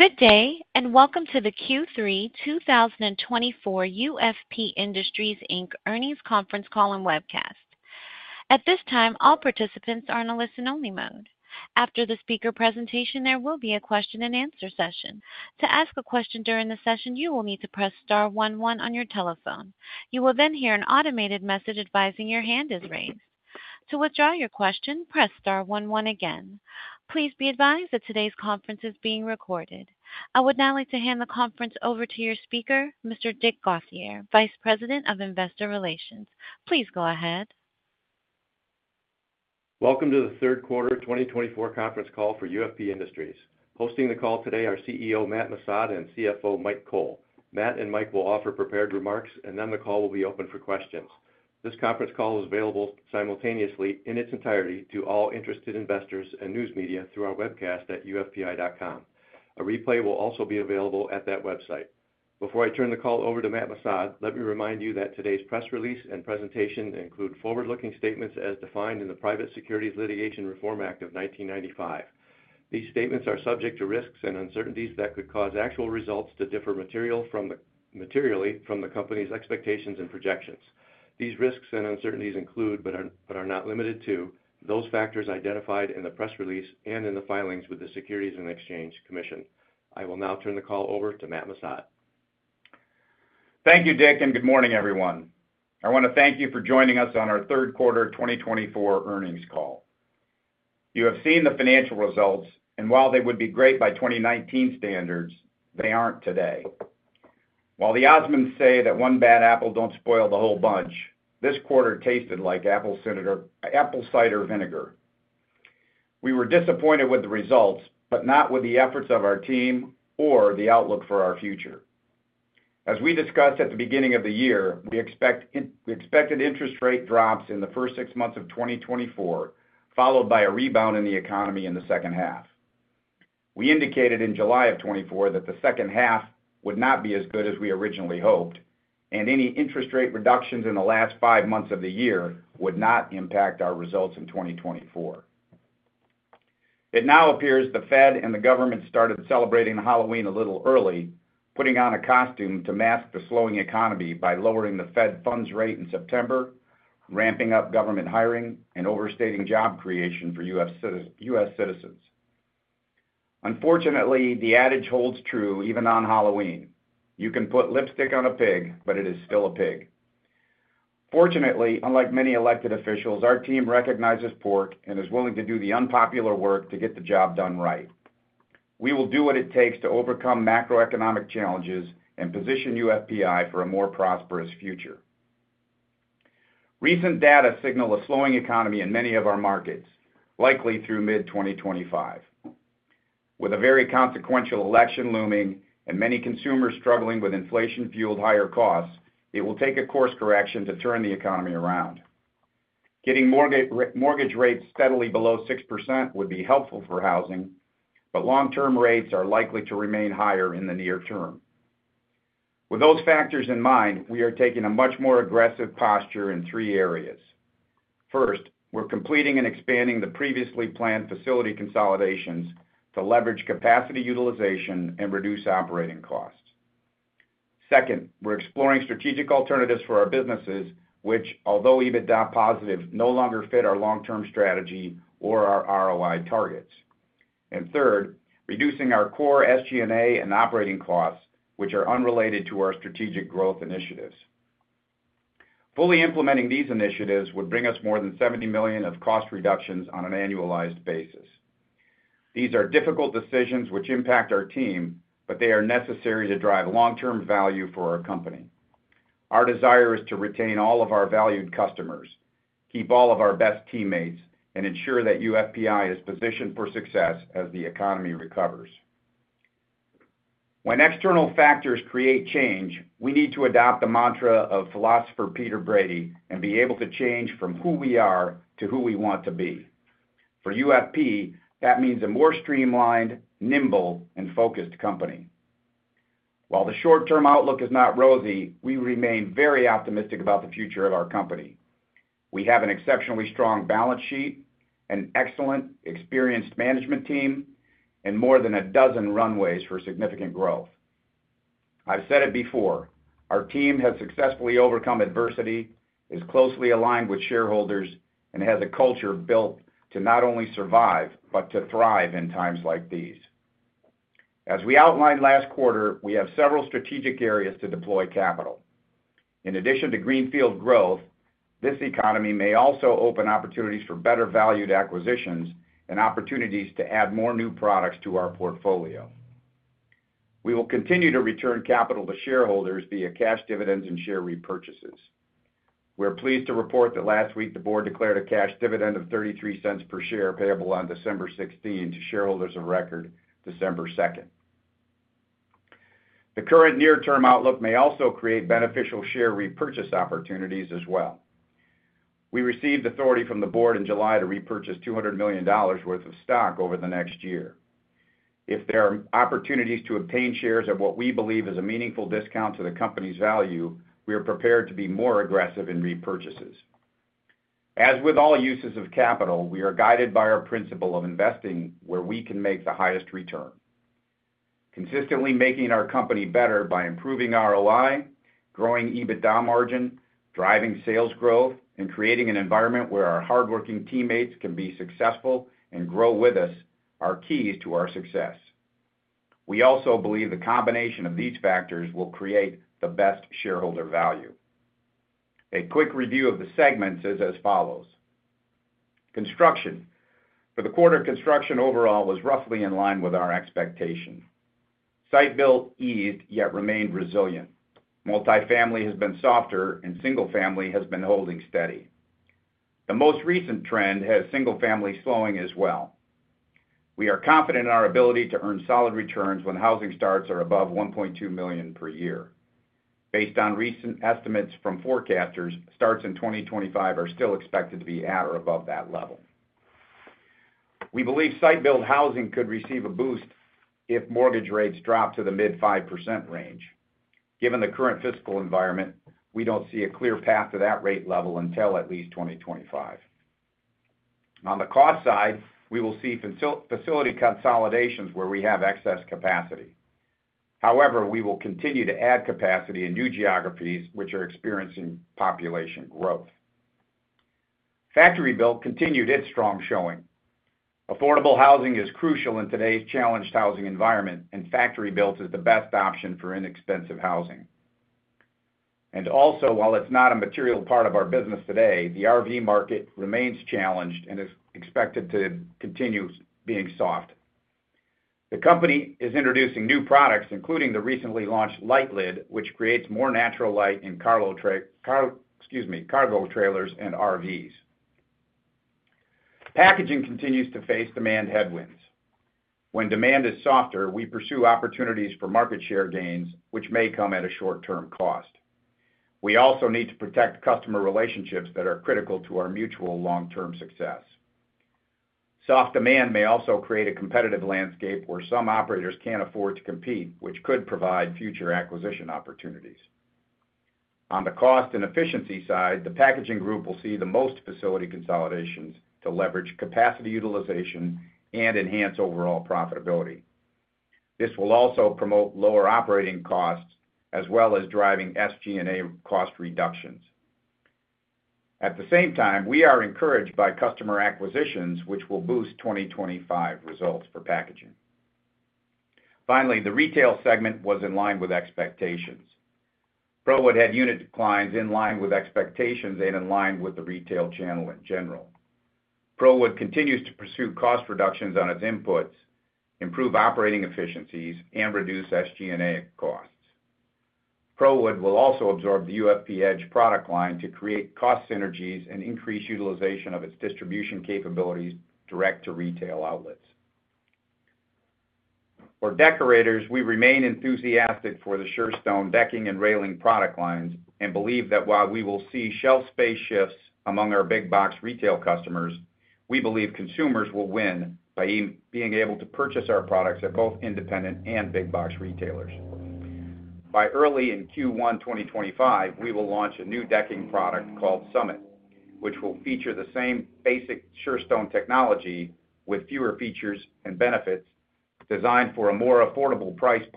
Good day, and welcome to the Q3 2024 UFP Industries Inc. Earnings Conference call and webcast. At this time, all participants are in a listen-only mode. After the speaker presentation, there will be a question-and-answer session. To ask a question during the session, you will need to press star one one on your telephone. You will then hear an automated message advising your hand is raised. To withdraw your question, press star one one again. Please be advised that today's conference is being recorded. I would now like to hand the conference over to your speaker, Mr. Dick Gauthier, Vice President of Investor Relations. Please go ahead. Welcome to the Q3 2024 conference call for UFP Industries. Hosting the call today are CEO Matt Missad and CFO Mike Cole. Matt and Mike will offer prepared remarks, and then the call will be open for questions. This conference call is available simultaneously in its entirety to all interested investors and news media through our webcast at ufpi.com. A replay will also be available at that website. Before I turn the call over to Matt Missad, let me remind you that today's press release and presentation include forward-looking statements as defined in the Private Securities Litigation Reform Act of 1995. These statements are subject to risks and uncertainties that could cause actual results to differ materially from the company's expectations and projections. These risks and uncertainties include, but are not limited to, those factors identified in the press release and in the filings with the Securities and Exchange Commission. I will now turn the call over to Matt Missad. Thank you, Dick, and good morning, everyone. I want to thank you for joining us on our Q3 2024 earnings call. You have seen the financial results, and while they would be great by 2019 standards, they aren't today. While the Osmonds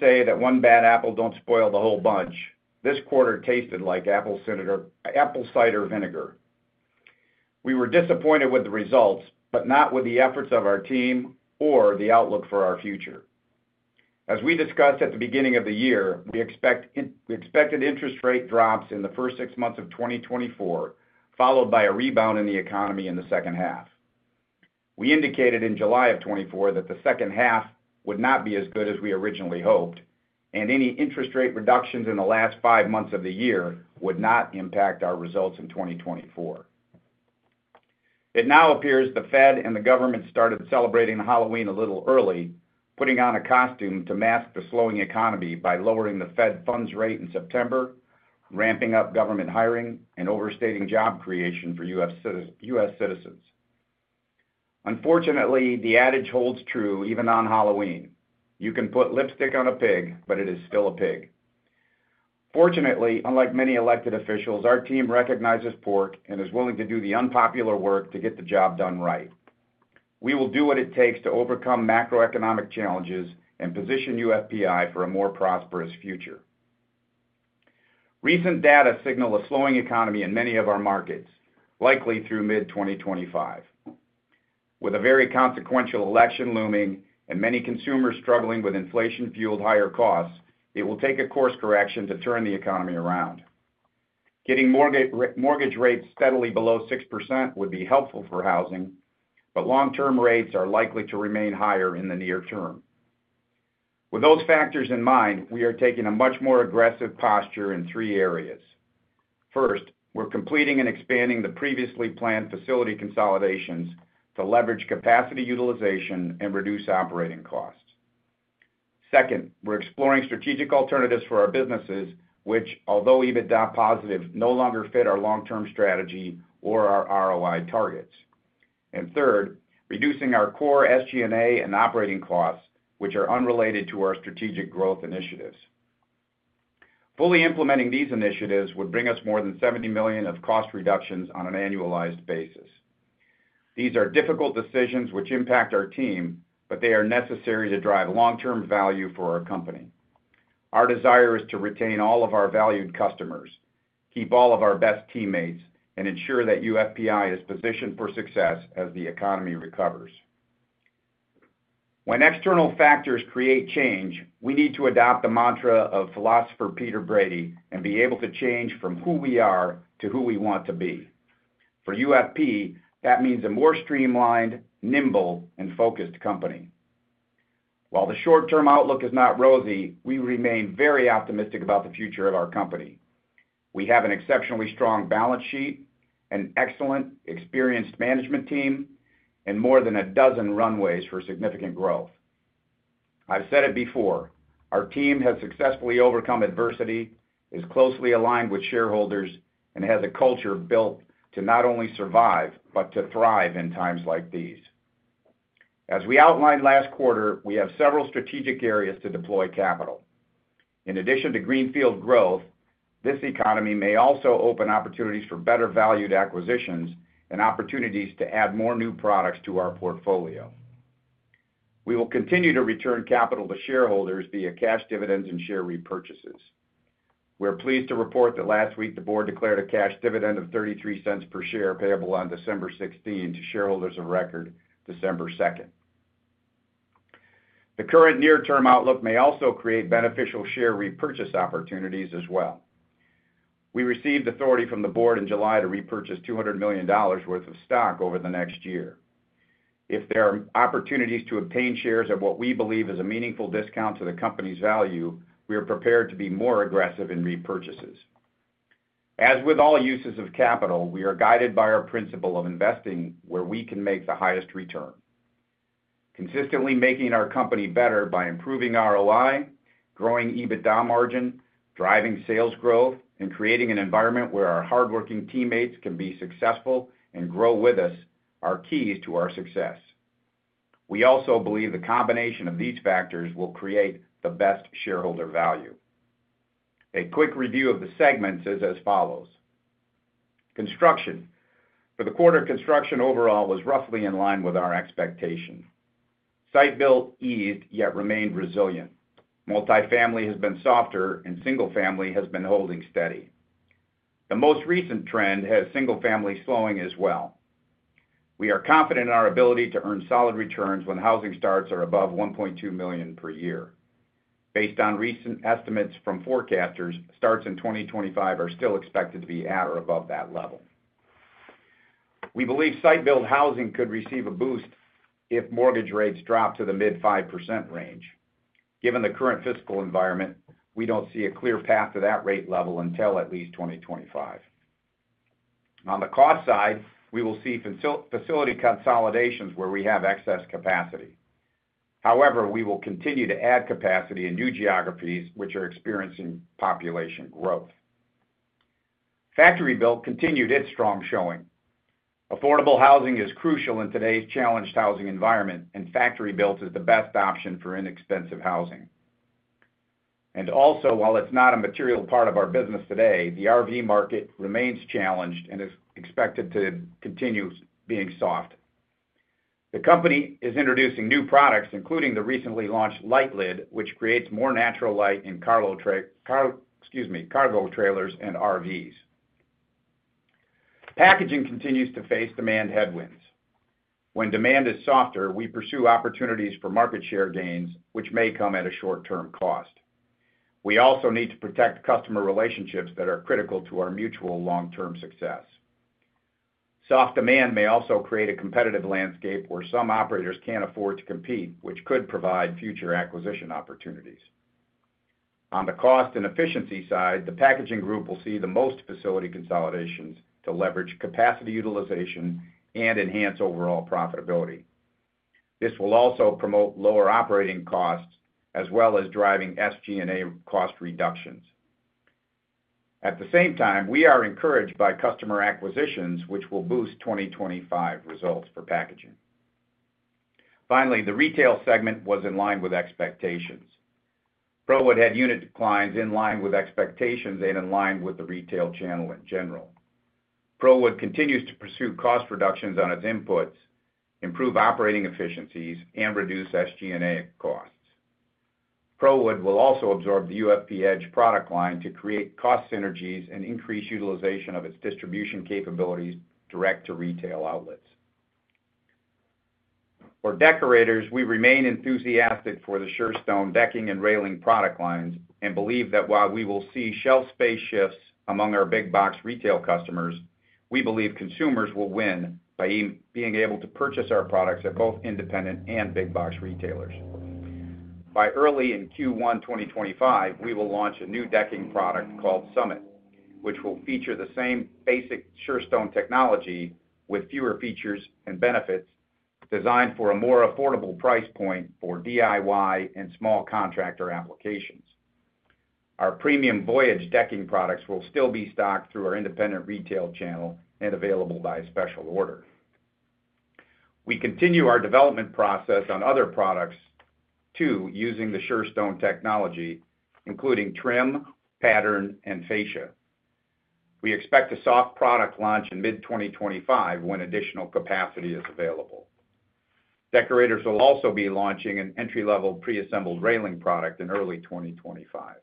say that one bad apple don't spoil the whole bunch, this quarter tasted like apple cider vinegar. We were disappointed with the results, but not with the efforts of our team or the outlook for our future. As we discussed at the beginning of the year, we expected interest rate drops in the first six months of 2024, followed by a rebound in the economy in the second half. We indicated in July of 2024 that the second half would not be as good as we originally hoped, and any interest rate reductions in the last five months of the year would not impact our results in 2024. It now appears the Fed and the government started celebrating Halloween a little early, putting on a costume to mask the slowing economy by lowering the Fed funds rate in September, ramping up government hiring, and overstating job creation for U.S. citizens. Unfortunately, the adage holds true even on Halloween. You can put lipstick on a pig, but it is still a pig. Fortunately, unlike many elected officials, our team recognizes pork and is willing to do the unpopular work to get the job done right. We will do what it takes to overcome macroeconomic challenges and position UFPI for a more prosperous future. Recent data signal a slowing economy in many of our markets, likely through mid-2025. With a very consequential election looming and many consumers struggling with inflation-fueled higher costs, it will take a course correction to turn the economy around. Getting mortgage rates steadily below 6% would be helpful for housing, but long-term rates are likely to remain higher in the near term. With those factors in mind, we are taking a much more aggressive posture in three areas. First, we're completing and expanding the previously planned facility consolidations to leverage capacity utilization and reduce operating costs. Second, we're exploring strategic alternatives for our businesses, which, although EBITDA positive, no longer fit our long-term strategy or our ROI targets, and third, reducing our core SG&A and operating costs, which are unrelated to our strategic growth initiatives. Fully implementing these initiatives would bring us more than $70 million of cost reductions on an annualized basis. These are difficult decisions which impact our team, but they are necessary to drive long-term value for our company. Our desire is to retain all of our valued customers, keep all of our best teammates, and ensure that UFPI is positioned for success as the economy recovers. When external factors create change, we need to adopt the mantra of philosopher Peter Brady and be able to change from who we are to who we want to be. For UFP, that means a more streamlined, nimble, and focused company. While the short-term outlook is not rosy, we remain very optimistic about the future of our company. We have an exceptionally strong balance sheet, an excellent, experienced management team, and more than a dozen runways for significant growth. I've said it before. Our team has successfully overcome adversity, is closely aligned with shareholders, and has a culture built to not only survive but to thrive in times like these. As we outlined last quarter, we have several strategic areas to deploy capital. In addition to greenfield growth, this economy may also open opportunities for better valued acquisitions and opportunities to add more new products to our portfolio. We will continue to return capital to shareholders via cash dividends and share repurchases. We're pleased to report that last week the board declared a cash dividend of $0.33 per share payable on 16 December 2024 to shareholders of record 2 December 2024 The current near-term outlook may also create beneficial share repurchase opportunities as well. We received authority from the board in July to repurchase $200 million worth of stock over the next year. If there are opportunities to obtain shares at what we believe is a meaningful discount to the company's value, we are prepared to be more aggressive in repurchases. As with all uses of capital, we are guided by our principle of investing where we can make the highest return. Consistently making our company better by improving ROI, growing EBITDA margin, driving sales growth, and creating an environment where our hardworking teammates can be successful and grow with us are keys to our success. We also believe the combination of these factors will create the best shareholder value. A quick review of the segments is as follows. Construction. For the quarter, construction overall was roughly in line with our expectation. Site-built eased yet remained resilient. Multifamily has been softer, and single-family has been holding steady. The most recent trend has single-family slowing as well. We are confident in our ability to earn solid returns when housing starts are above $1.2 million per year. Based on recent estimates from forecasters, starts in 2025 are still expected to be at or above that level. We believe site-built housing could receive a boost if mortgage rates drop to the mid-5% range. Given the current fiscal environment, we don't see a clear path to that rate level until at least 2025. On the cost side, we will see facility consolidations where we have excess capacity. However, we will continue to add capacity in new geographies which are experiencing population growth. Factory-built continued its strong showing. Affordable housing is crucial in today's challenged housing environment, and factory-built is the best option for inexpensive housing. And also, while it's not a material part of our business today, the RV market remains challenged and is expected to continue being soft. The company is introducing new products, including the recently launched LITELID, which creates more natural light in cargo trailers and RVs. Packaging continues to face demand headwinds. When demand is softer, we pursue opportunities for market share gains, which may come at a short-term cost. We also need to protect customer relationships that are critical to our mutual long-term success. Soft demand may also create a competitive landscape where some operators can't afford to compete, which could provide future acquisition opportunities. On the cost and efficiency side, the packaging group will see the most facility consolidations to leverage capacity utilization and enhance overall profitability. This will also promote lower operating costs as well as driving SG&A cost reductions. At the same time, we are encouraged by customer acquisitions, which will boost 2025 results for packaging. Finally, the retail segment was in line with expectations. ProWood had unit declines in line with expectations and in line with the retail channel in general. ProWood continues to pursue cost reductions on its inputs, improve operating efficiencies, and reduce SG&A costs. ProWood will also absorb the UFP-Edge product line to create cost synergies and increase utilization of its distribution capabilities direct to retail outlets. For Deckorators, we remain enthusiastic for the SureStone decking and railing product lines and believe that while we will see shelf space shifts among our big box retail customers, we believe consumers will win by being able to purchase our products at both independent and big box retailers. By early in Q1 2025, we will launch a new decking product called Summit, which will feature the same basic SureStone technology with fewer features and benefits, designed for a more affordable price point for DIY and small contractor applications. Our premium Voyage decking products will still be stocked through our independent retail channel and available by special order. We continue our development process on other products too using the SureStone technology, including trim, pattern, and fascia. We expect a soft product launch in mid-2025 when additional capacity is available. Deckorators will also be launching an entry-level preassembled railing product in early 2025.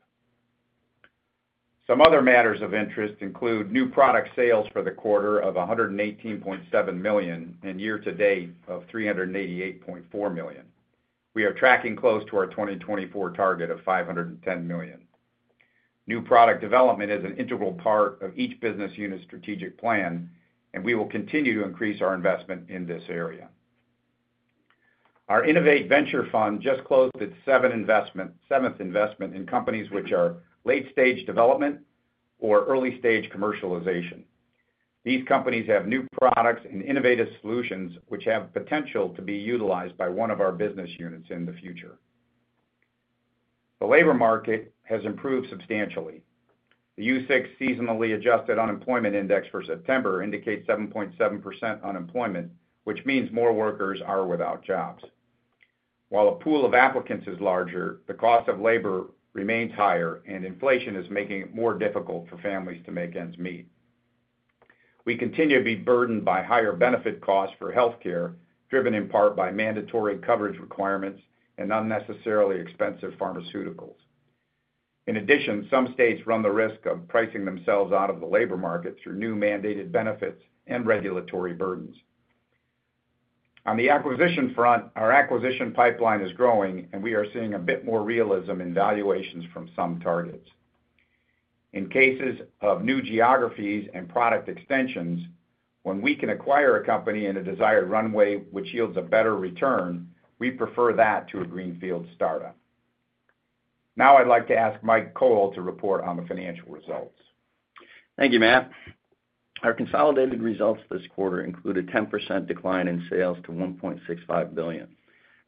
Some other matters of interest include new product sales for the quarter of $118.7 million and year-to-date of $388.4 million. We are tracking close to our 2024 target of $510 million. New product development is an integral part of each business unit's strategic plan, and we will continue to increase our investment in this area. Our Innovate Venture Fund just closed its seventh investment in companies which are late-stage development or early-stage commercialization. These companies have new products and innovative solutions which have potential to be utilized by one of our business units in the future. The labor market has improved substantially. The U-6 seasonally adjusted unemployment index for September indicates 7.7% unemployment, which means more workers are without jobs. While a pool of applicants is larger, the cost of labor remains higher, and inflation is making it more difficult for families to make ends meet. We continue to be burdened by higher benefit costs for healthcare, driven in part by mandatory coverage requirements and unnecessarily expensive pharmaceuticals. In addition, some states run the risk of pricing themselves out of the labor market through new mandated benefits and regulatory burdens. On the acquisition front, our acquisition pipeline is growing, and we are seeing a bit more realism in valuations from some targets. In cases of new geographies and product extensions, when we can acquire a company in a desired runway which yields a better return, we prefer that to a greenfield startup. Now I'd like to ask Mike Cole to report on the financial results. Thank you, Matt. Our consolidated results this quarter included a 10% decline in sales to $1.65 billion,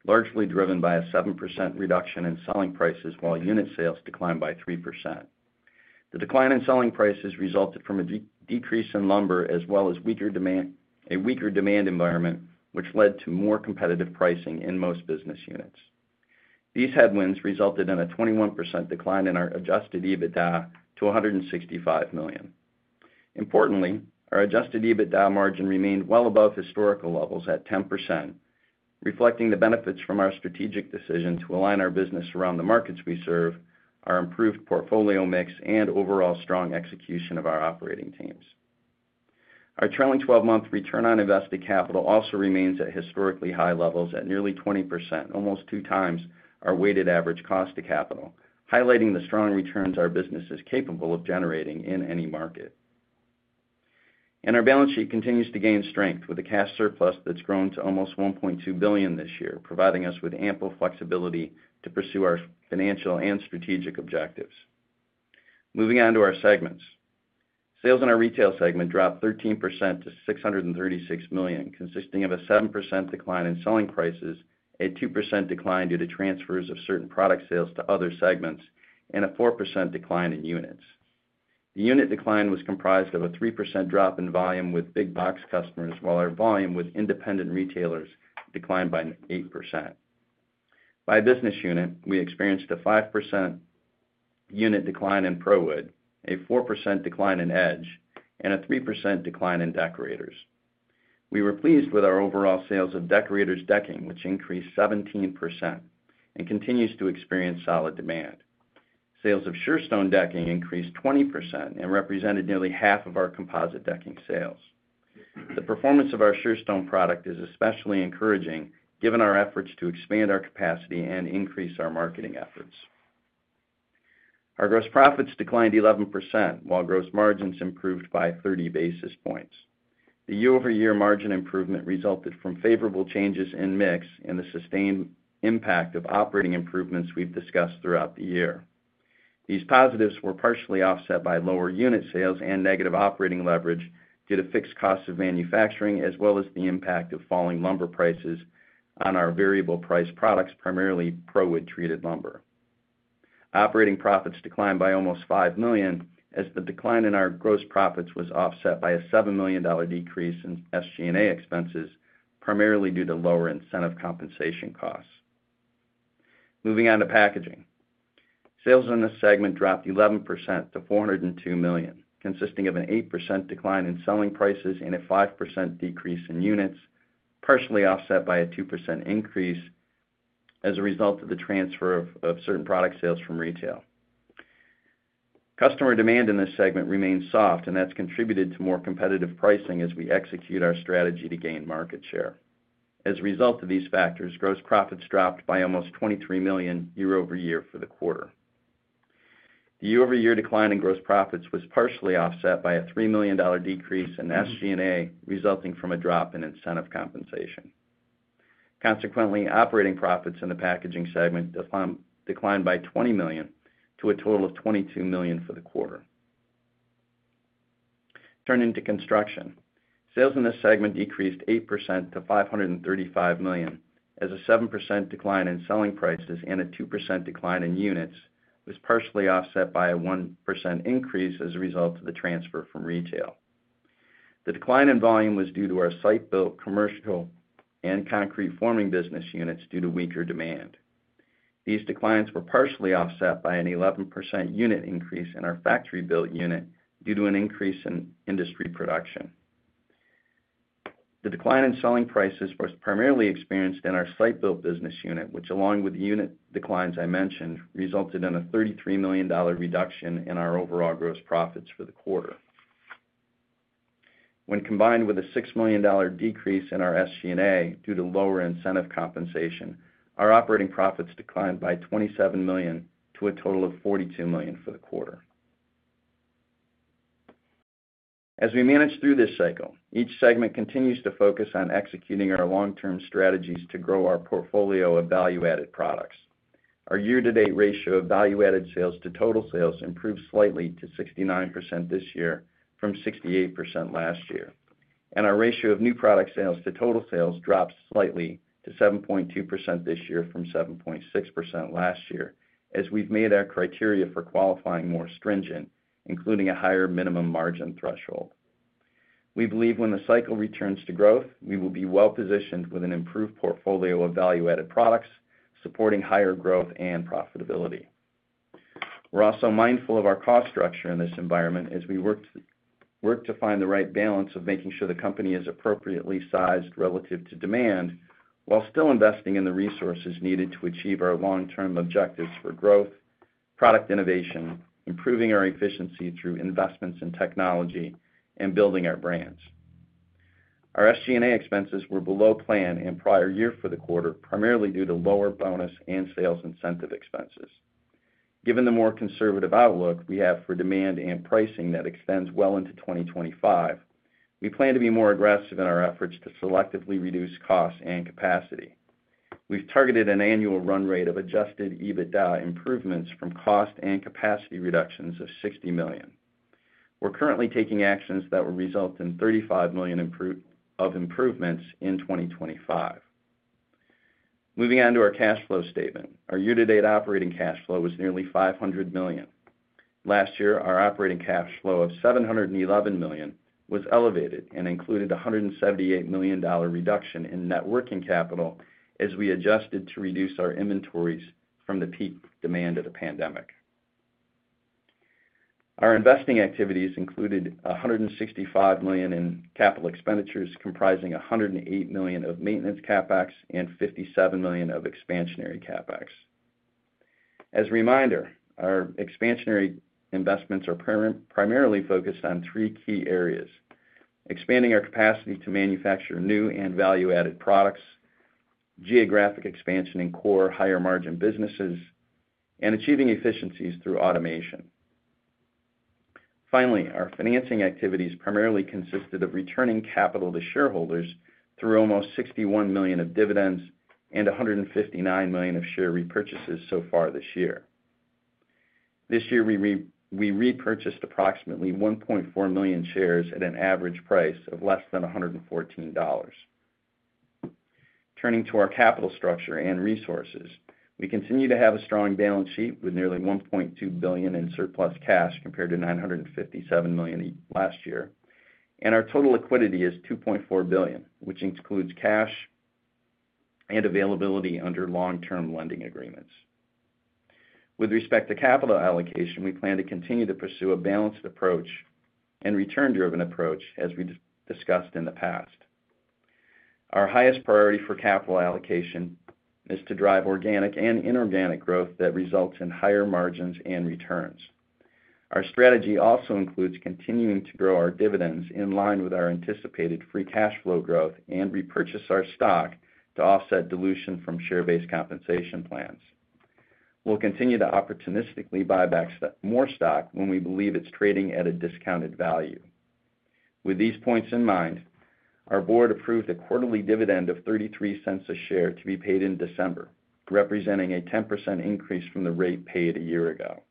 largely driven by a 7% reduction in selling prices while unit sales declined by 3%. The decline in selling prices resulted from a decrease in lumber as well as a weaker demand environment, which led to more competitive pricing in most business units. These headwinds resulted in a 21% decline in our Adjusted EBITDA to $165 million. Importantly, our Adjusted EBITDA margin remained well above historical levels at 10%, reflecting the benefits from our strategic decision to align our business around the markets we serve, our improved portfolio mix, and overall strong execution of our operating teams. Our trailing 12-month return on invested capital also remains at historically high levels at nearly 20%, almost two times our weighted average cost of capital, highlighting the strong returns our business is capable of generating in any market. Our balance sheet continues to gain strength with a cash surplus that's grown to almost $1.2 billion this year, providing us with ample flexibility to pursue our financial and strategic objectives. Moving on to our segments. Sales in our retail segment dropped 13% to $636 million, consisting of a 7% decline in selling prices, a 2% decline due to transfers of certain product sales to other segments, and a 4% decline in units. The unit decline was comprised of a 3% drop in volume with big box customers, while our volume with independent retailers declined by 8%. By business unit, we experienced a 5% unit decline in ProWood, a 4% decline in Edge, and a 3% decline in Deckorators. We were pleased with our overall sales of Deckorators' decking, which increased 17% and continues to experience solid demand. Sales of SureStone decking increased 20% and represented nearly half of our composite decking sales. The performance of our SureStone product is especially encouraging given our efforts to expand our capacity and increase our marketing efforts. Our gross profits declined 11%, while gross margins improved by 30 basis points. The year-over-year margin improvement resulted from favorable changes in mix and the sustained impact of operating improvements we've discussed throughout the year. These positives were partially offset by lower unit sales and negative operating leverage due to fixed costs of manufacturing, as well as the impact of falling lumber prices on our variable price products, primarily ProWood-treated lumber. Operating profits declined by almost $5 million as the decline in our gross profits was offset by a $7 million decrease in SG&A expenses, primarily due to lower incentive compensation costs. Moving on to packaging. Sales in this segment dropped 11% to $402 million, consisting of an 8% decline in selling prices and a 5% decrease in units, partially offset by a 2% increase as a result of the transfer of certain product sales from retail. Customer demand in this segment remains soft, and that's contributed to more competitive pricing as we execute our strategy to gain market share. As a result of these factors, gross profits dropped by almost $23 million year-over-year for the quarter. The year-over-year decline in gross profits was partially offset by a $3 million decrease in SG&A, resulting from a drop in incentive compensation. Consequently, operating profits in the packaging segment declined by $20 million to a total of $22 million for the quarter. Turning to construction. Sales in this segment decreased 8% to $535 million as a 7% decline in selling prices and a 2% decline in units was partially offset by a 1% increase as a result of the transfer from retail. The decline in volume was due to our site-built commercial and concrete forming business units due to weaker demand. These declines were partially offset by an 11% unit increase in our factory-built unit due to an increase in industry production. The decline in selling prices was primarily experienced in our site-built business unit, which, along with the unit declines I mentioned, resulted in a $33 million reduction in our overall gross profits for the quarter. When combined with a $6 million decrease in our SG&A due to lower incentive compensation, our operating profits declined by $27 million to a total of $42 million for the quarter. As we manage through this cycle, each segment continues to focus on executing our long-term strategies to grow our portfolio of value-added products. Our year-to-date ratio of value-added sales to total sales improved slightly to 69% this year from 68% last year. Our ratio of new product sales to total sales dropped slightly to 7.2% this year from 7.6% last year as we've made our criteria for qualifying more stringent, including a higher minimum margin threshold. We believe when the cycle returns to growth, we will be well-positioned with an improved portfolio of value-added products supporting higher growth and profitability. We're also mindful of our cost structure in this environment as we work to find the right balance of making sure the company is appropriately sized relative to demand while still investing in the resources needed to achieve our long-term objectives for growth, product innovation, improving our efficiency through investments in technology, and building our brands. Our SG&A expenses were below plan in prior year for the quarter, primarily due to lower bonus and sales incentive expenses. Given the more conservative outlook we have for demand and pricing that extends well into 2025, we plan to be more aggressive in our efforts to selectively reduce costs and capacity. We've targeted an annual run rate of adjusted EBITDA improvements from cost and capacity reductions of $60 million. We're currently taking actions that will result in $35 million of improvements in 2025. Moving on to our cash flow statement, our year-to-date operating cash flow was nearly $500 million. Last year, our operating cash flow of $711 million was elevated and included a $178 million reduction in net working capital as we adjusted to reduce our inventories from the peak demand of the pandemic. Our investing activities included $165 million in capital expenditures, comprising $108 million of maintenance CapEx and $57 million of expansionary CapEx. As a reminder, our expansionary investments are primarily focused on three key areas: expanding our capacity to manufacture new and value-added products, geographic expansion in core higher-margin businesses, and achieving efficiencies through automation. Finally, our financing activities primarily consisted of returning capital to shareholders through almost $61 million of dividends and $159 million of share repurchases so far this year. This year, we repurchased approximately $1.4 million shares at an average price of less than $114. Turning to our capital structure and resources, we continue to have a strong balance sheet with nearly $1.2 billion in surplus cash compared to $957 million last year, and our total liquidity is $2.4 billion, which includes cash and availability under long-term lending agreements. With respect to capital allocation, we plan to continue to pursue a balanced approach and return-driven approach as we discussed in the past. Our highest priority for capital allocation is to drive organic and inorganic growth that results in higher margins and returns. Our strategy also includes continuing to grow our dividends in line with our anticipated free cash flow growth and repurchase our stock to offset dilution from share-based compensation plans. We'll continue to opportunistically buy back more stock when we believe it's trading at a discounted value. With these points in mind, our board approved a quarterly dividend of $0.33 a share to be paid in December, representing a 10% increase from the rate paid a year ago.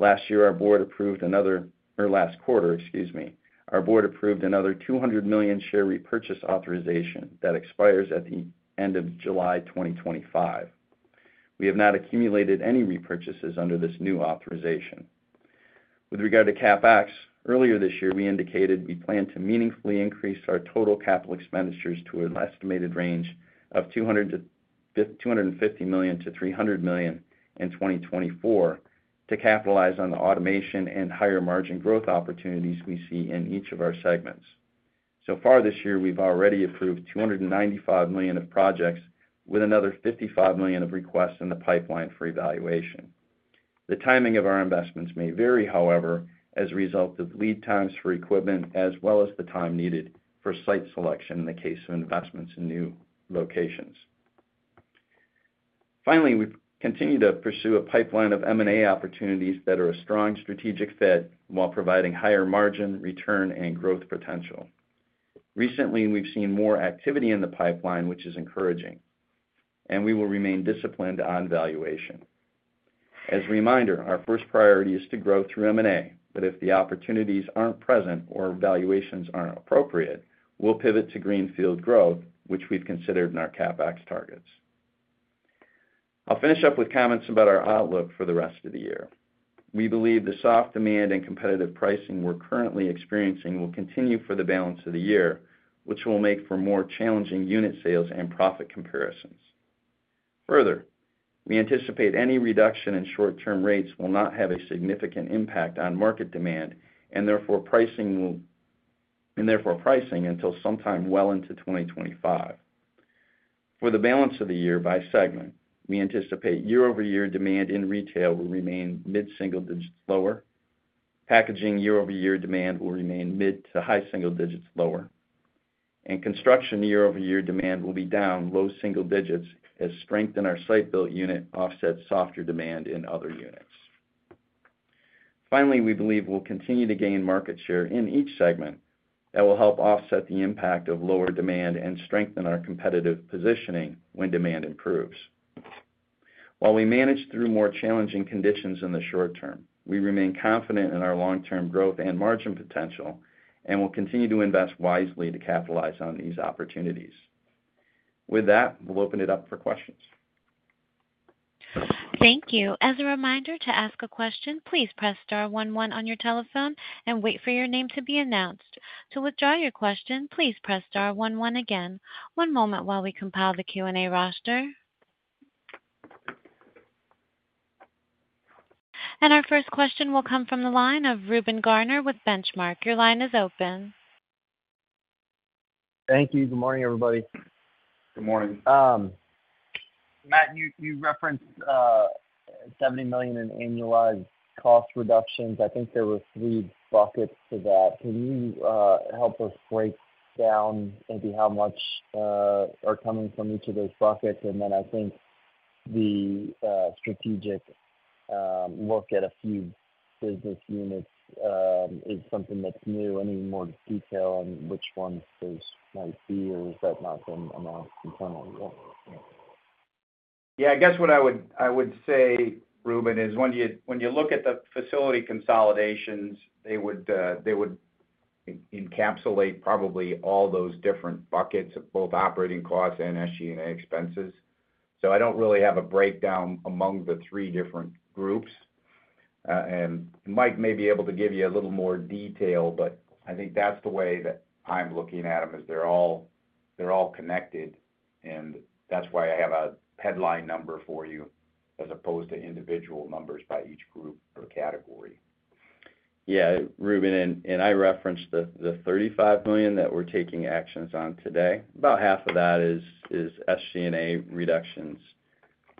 Last quarter, our board approved another $200 million share repurchase authorization that expires at the end of July 2025. We have not accumulated any repurchases under this new authorization. With regard to CapEx, earlier this year, we indicated we plan to meaningfully increase our total capital expenditures to an estimated range of $250 million-$300 million in 2024 to capitalize on the automation and higher margin growth opportunities we see in each of our segments. So far this year, we've already approved $295 million of projects with another $55 million of requests in the pipeline for evaluation. The timing of our investments may vary, however, as a result of lead times for equipment as well as the time needed for site selection in the case of investments in new locations. Finally, we continue to pursue a pipeline of M&A opportunities that are a strong strategic fit while providing higher margin, return, and growth potential. Recently, we've seen more activity in the pipeline, which is encouraging, and we will remain disciplined on valuation. As a reminder, our first priority is to grow through M&A, but if the opportunities aren't present or valuations aren't appropriate, we'll pivot to greenfield growth, which we've considered in our CapEx targets. I'll finish up with comments about our outlook for the rest of the year. We believe the soft demand and competitive pricing we're currently experiencing will continue for the balance of the year, which will make for more challenging unit sales and profit comparisons. Further, we anticipate any reduction in short-term rates will not have a significant impact on market demand and therefore pricing until sometime well into 2025. For the balance of the year by segment, we anticipate year-over-year demand in retail will remain mid-single digits lower, packaging year-over-year demand will remain mid to high single digits lower, and construction year-over-year demand will be down low single digits as strength in our site-built unit offsets softer demand in other units. Finally, we believe we'll continue to gain market share in each segment that will help offset the impact of lower demand and strengthen our competitive positioning when demand improves. While we manage through more challenging conditions in the short term, we remain confident in our long-term growth and margin potential and will continue to invest wisely to capitalize on these opportunities. With that, we'll open it up for questions. Thank you. As a reminder to ask a question, please press star one one on your telephone and wait for your name to be announced. To withdraw your question, please press star one one again. One moment while we compile the Q&A roster. And our first question will come from the line of Reuben Garner with Benchmark. Your line is open. Thank you. Good morning, everybody. Good morning. Matt, you referenced $70 million in annualized cost reductions. I think there were three buckets to that. Can you help us break down maybe how much are coming from each of those buckets? And then I think the strategic look at a few business units is something that's new. Any more detail on which ones those might be or is that not been announced internally yet? Yeah, I guess what I would say, Reuben, is when you look at the facility consolidations, they would encapsulate probably all those different buckets of both operating costs and SG&A expenses. So I don't really have a breakdown among the three different groups. And Mike may be able to give you a little more detail, but I think that's the way that I'm looking at them is they're all connected, and that's why I have a headline number for you as opposed to individual numbers by each group or category. Yeah, Reuben, and I referenced the $35 million that we're taking actions on today. About half of that is SG&A reductions,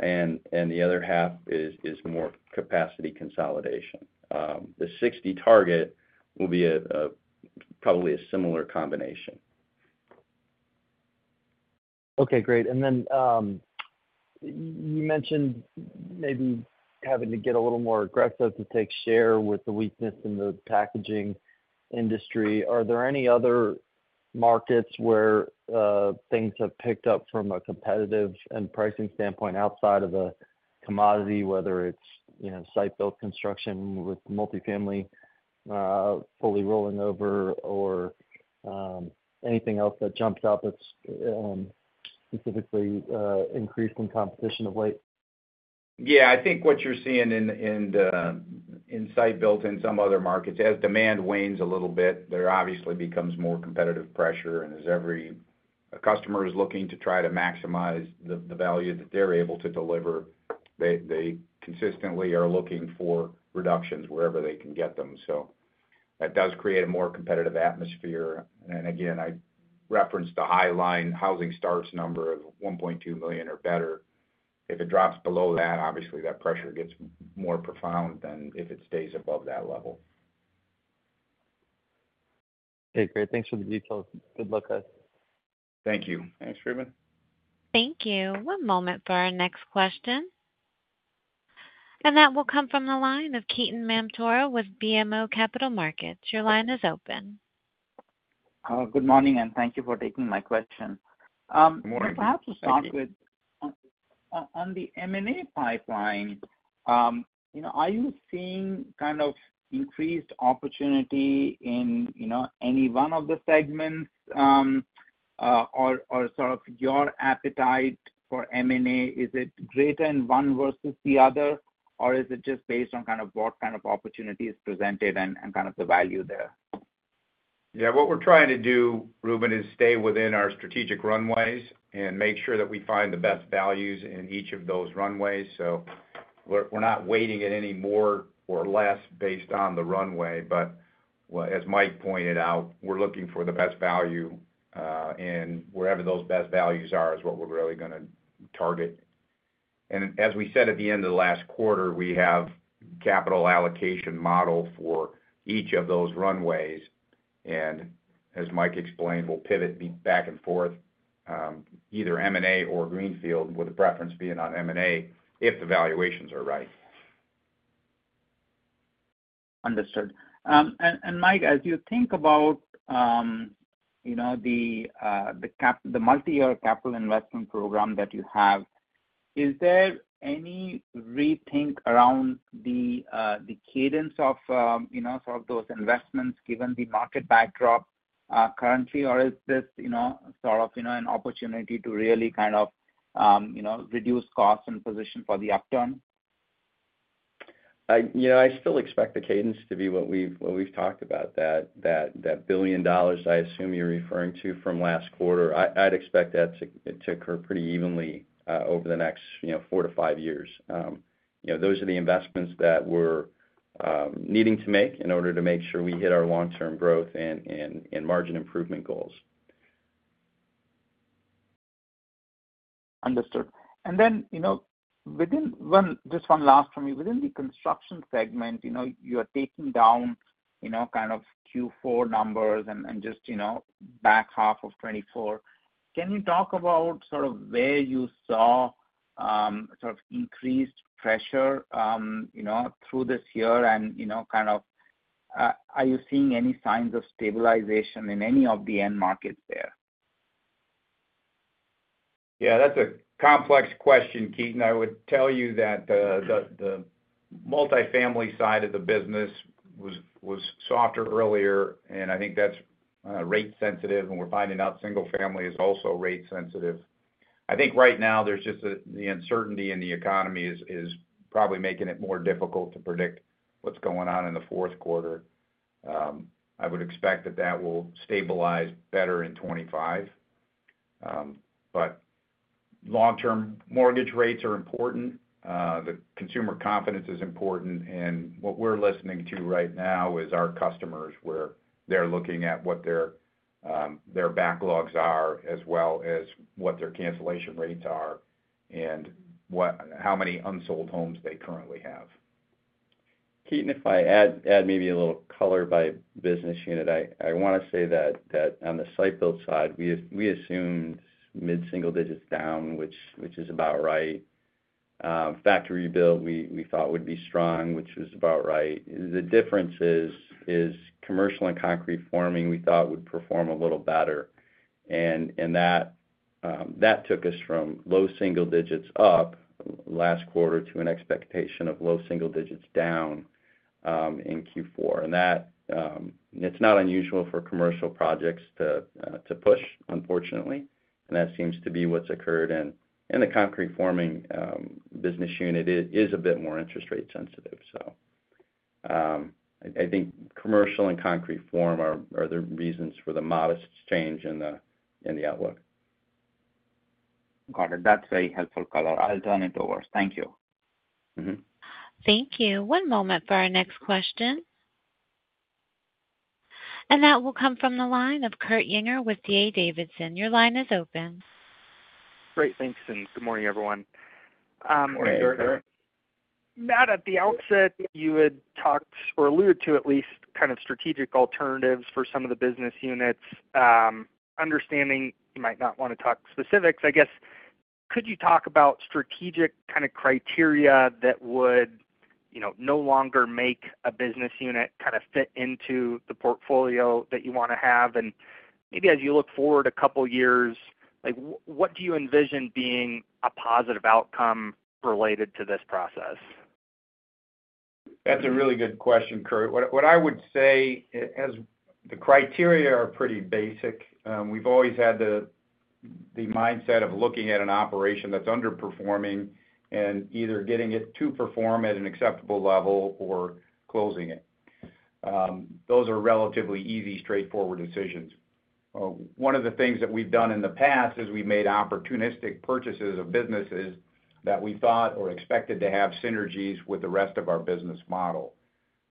and the other half is more capacity consolidation. The $60 million target will be probably a similar combination. Okay, great. And then you mentioned maybe having to get a little more aggressive to take share with the weakness in the packaging industry. Are there any other markets where things have picked up from a competitive and pricing standpoint outside of the commodity, whether it's site-built construction with multifamily fully rolling over or anything else that jumps out that's specifically increased in competition of late? Yeah, I think what you're seeing in site-built and some other markets, as demand wanes a little bit, there obviously becomes more competitive pressure. And as every customer is looking to try to maximize the value that they're able to deliver, they consistently are looking for reductions wherever they can get them. So that does create a more competitive atmosphere. And again, I referenced the high-line housing starts number of $1.2 million or better. If it drops below that, obviously that pressure gets more profound than if it stays above that level. Okay, great. Thanks for the details. Good luck, guys. Thank you. Thanks, Reuben. Thank you. One moment for our next question, and that will come from the line of Ketan Mamtora with BMO Capital Markets. Your line is open. Good morning, and thank you for taking my question. Good morning. On the M&A pipeline, are you seeing kind of increased opportunity in any one of the segments or sort of your appetite for M&A? Is it greater in one versus the other, or is it just based on kind of what kind of opportunity is presented and kind of the value there? Yeah, what we're trying to do, Reuben, is stay within our strategic runways and make sure that we find the best values in each of those runways. So we're not weighting it any more or less based on the runway. But as Mike pointed out, we're looking for the best value, and wherever those best values are is what we're really going to target. And as we said at the end of the last quarter, we have a capital allocation model for each of those runways. And as Mike explained, we'll pivot back and forth, either M&A or greenfield, with a preference being on M&A if the valuations are right. Understood. And Mike, as you think about the multi-year capital investment program that you have, is there any rethink around the cadence of those investments given the market backdrop currently, or is this sort of an opportunity to really kind of reduce costs and position for the upturn? I still expect the cadence to be what we've talked about, that $1 billion I assume you're referring to from last quarter. I'd expect that to occur pretty evenly over the next four to five years. Those are the investments that we're needing to make in order to make sure we hit our long-term growth and margin improvement goals. Understood. And then just one last from me. Within the construction segment, you're taking down kind of Q4 numbers and just back half of 2024. Can you talk about sort of where you saw sort of increased pressure through this year and kind of are you seeing any signs of stabilization in any of the end markets there? Yeah, that's a complex question, Ketan. I would tell you that the multifamily side of the business was softer earlier, and I think that's rate-sensitive, and we're finding out single-family is also rate-sensitive. I think right now there's just the uncertainty in the economy is probably making it more difficult to predict what's going on in the Q4. I would expect that that will stabilize better in 2025. But long-term mortgage rates are important. The consumer confidence is important, and what we're listening to right now is our customers where they're looking at what their backlogs are as well as what their cancellation rates are and how many unsold homes they currently have. Ketan, if I add maybe a little color by business unit, I want to say that on the site-built side, we assumed mid-single digits down, which is about right. Factory-built, we thought would be strong, which was about right. The difference is commercial and concrete forming we thought would perform a little better. And that took us from low single digits up last quarter to an expectation of low single-digits down in Q4. And it's not unusual for commercial projects to push, unfortunately. And that seems to be what's occurred. And the concrete forming business unit is a bit more interest rate sensitive. So I think commercial and concrete forming are the reasons for the modest change in the outlook. Got it. That's very helpful color. I'll turn it over. Thank you. Thank you. One moment for our next question. And that will come from the line of Kurt Yinger with D.A. Davidson. Your line is open. Great. Thanks. And good morning, everyone. Good morning, Kurt. Matt, at the outset, you had talked or alluded to at least kind of strategic alternatives for some of the business units. Understanding you might not want to talk specifics, I guess, could you talk about strategic kind of criteria that would no longer make a business unit kind of fit into the portfolio that you want to have? And maybe as you look forward a couple of years, what do you envision being a positive outcome related to this process? That's a really good question, Kurt. What I would say is the criteria are pretty basic. We've always had the mindset of looking at an operation that's underperforming and either getting it to perform at an acceptable level or closing it. Those are relatively easy, straightforward decisions. One of the things that we've done in the past is we've made opportunistic purchases of businesses that we thought or expected to have synergies with the rest of our business model.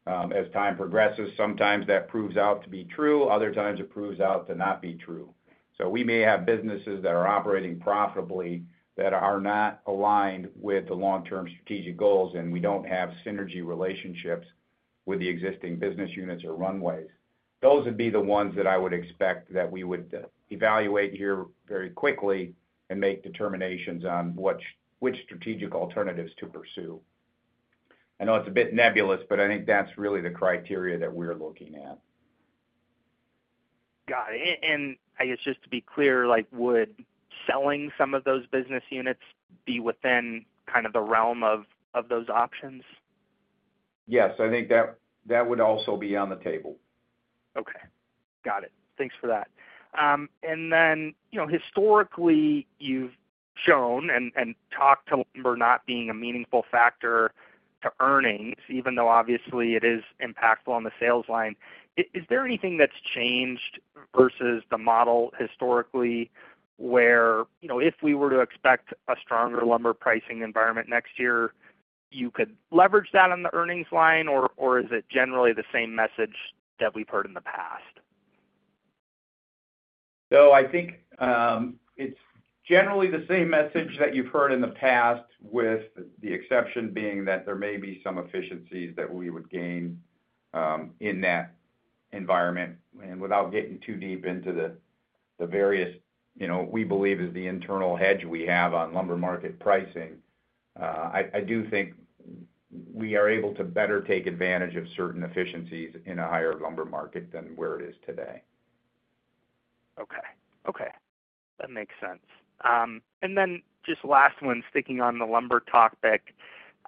As time progresses, sometimes that proves out to be true. Other times, it proves out to not be true. So we may have businesses that are operating profitably that are not aligned with the long-term strategic goals, and we don't have synergy relationships with the existing business units or runways. Okay. Got it. Thanks for that, and then historically, you've shown and talked to lumber not being a meaningful factor to earnings, even though obviously it is impactful on the sales line. Is there anything that's changed versus the model historically where if we were to expect a stronger lumber pricing environment next year, you could leverage that on the earnings line, or is it generally the same message that we've heard in the past? So I think it's generally the same message that you've heard in the past, with the exception being that there may be some efficiencies that we would gain in that environment. And without getting too deep into the various we believe is the internal hedge we have on lumber market pricing, I do think we are able to better take advantage of certain efficiencies in a higher lumber market than where it is today. Okay. Okay. That makes sense. And then just last one, sticking on the lumber topic,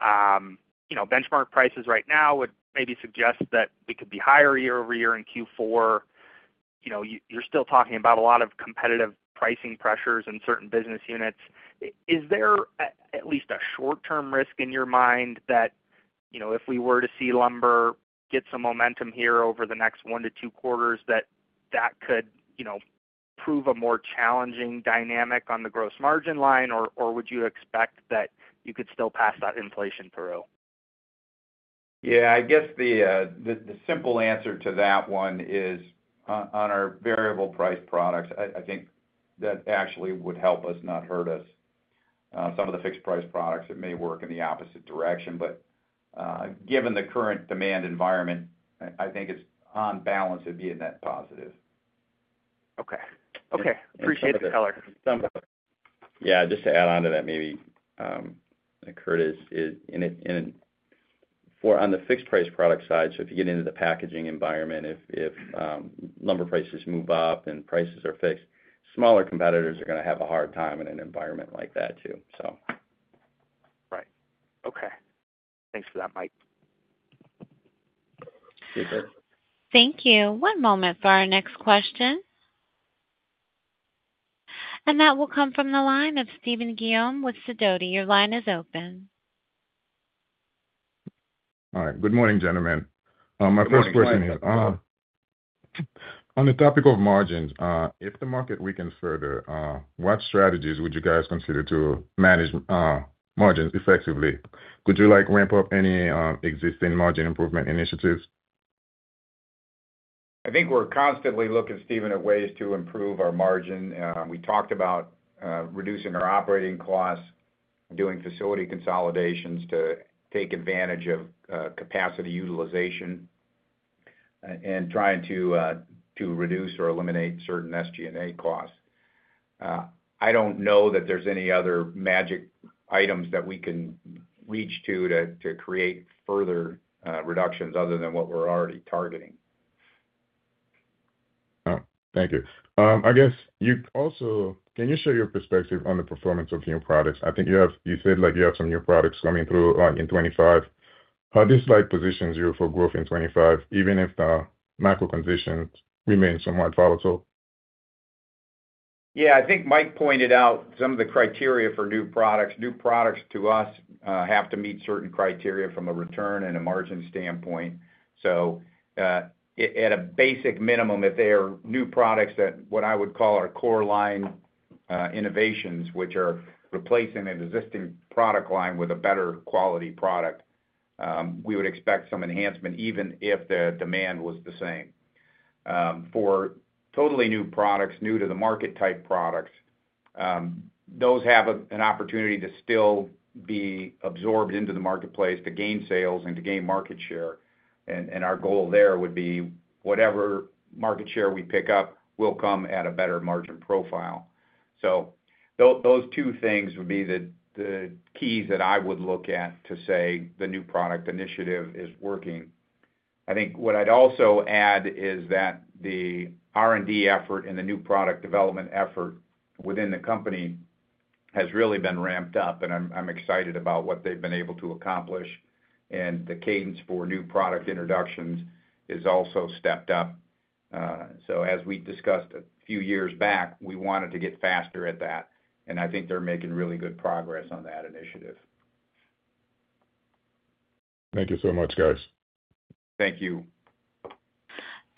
benchmark prices right now would maybe suggest that we could be higher year-over-year in Q4. You're still talking about a lot of competitive pricing pressures in certain business units. Is there at least a short-term risk in your mind that if we were to see lumber get some momentum here over the next one to two quarters, that that could prove a more challenging dynamic on the gross margin line, or would you expect that you could still pass that inflation through? Yeah, I guess the simple answer to that one is on our variable price products, I think that actually would help us, not hurt us. Some of the fixed price products, it may work in the opposite direction. But given the current demand environment, I think it's on balance of being that positive. Okay. Okay. Appreciate it, color. Yeah, just to add on to that, maybe Kurt is on the fixed price product side. So if you get into the packaging environment, if lumber prices move up and prices are fixed, smaller competitors are going to have a hard time in an environment like that too, so. Right. Okay. Thanks for that, Mike. Thank you. One moment for our next question, and that will come from the line of Steven Ramsey with Sidoti. Your line is open. All right. Good morning, gentlemen. My first question here. On the topic of margins, if the market weakens further, what strategies would you guys consider to manage margins effectively? Could you ramp up any existing margin improvement initiatives? I think we're constantly looking, Steven, at ways to improve our margin. We talked about reducing our operating costs, doing facility consolidations to take advantage of capacity utilization, and trying to reduce or eliminate certain SG&A costs. I don't know that there's any other magic items that we can reach to create further reductions other than what we're already targeting. Thank you. I guess you also, can you share your perspective on the performance of new products? I think you said you have some new products coming through in 2025. How does this position you for growth in 2025, even if the macro conditions remain somewhat volatile? Yeah, I think Mike pointed out some of the criteria for new products. New products to us have to meet certain criteria from a return and a margin standpoint. So at a basic minimum, if they are new products that what I would call our core line innovations, which are replacing an existing product line with a better quality product, we would expect some enhancement even if the demand was the same. For totally new products, new-to-the-market type products, those have an opportunity to still be absorbed into the marketplace to gain sales and to gain market share. And our goal there would be whatever market share we pick up will come at a better margin profile. So those two things would be the keys that I would look at to say the new product initiative is working. I think what I'd also add is that the R&D effort and the new product development effort within the company has really been ramped up. And I'm excited about what they've been able to accomplish. And the cadence for new product introductions is also stepped up. So as we discussed a few years back, we wanted to get faster at that. And I think they're making really good progress on that initiative. Thank you so much, guys. Thank you.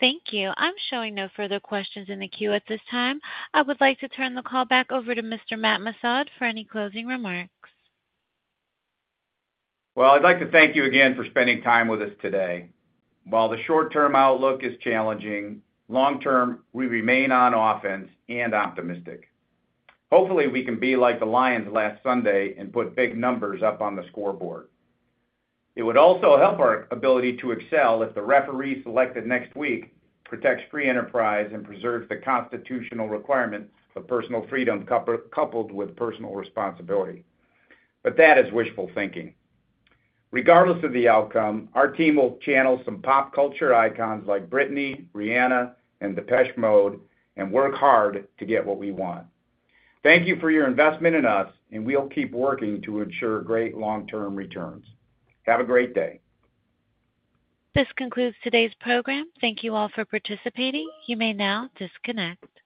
Thank you. I'm showing no further questions in the queue at this time. I would like to turn the call back over to Mr. Matt Missad for any closing remarks. Well, I'd like to thank you again for spending time with us today. While the short-term outlook is challenging, long-term, we remain on offense and optimistic. Hopefully, we can be like the Lions last Sunday and put big numbers up on the scoreboard. It would also help our ability to excel if the referee selected next week protects free enterprise and preserves the constitutional requirement of personal freedom coupled with personal responsibility. But that is wishful thinking. Regardless of the outcome, our team will channel some pop culture icons like Britney, Rihanna, and Depeche Mode and work hard to get what we want. Thank you for your investment in us, and we'll keep working to ensure great long-term returns. Have a great day. This concludes today's program. Thank you all for participating. You may now disconnect.